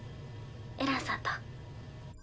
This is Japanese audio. エランさんと。